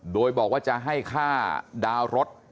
โดยบอกว่าจะให้ค่าดาวน์รถ